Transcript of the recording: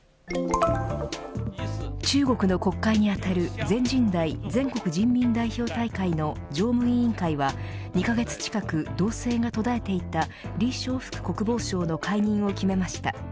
中国の国会に当たる全人代＝全国人民代表大会の常務委員会は２カ月近く動静が途絶えていた李尚福国防相の解任を決めました。